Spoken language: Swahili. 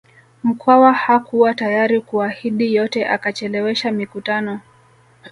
Mkwawa hakuwa tayari kuahidi yote akachelewesha mikutano